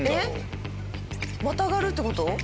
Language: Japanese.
またがるって事？